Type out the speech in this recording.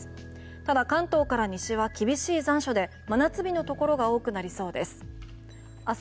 ただ、関東から西は厳しい残暑で真夏日のところが多くなりそうです。